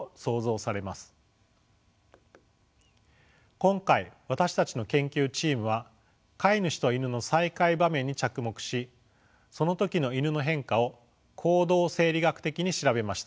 今回私たちの研究チームは飼い主とイヌの再会場面に着目しその時のイヌの変化を行動生理学的に調べました。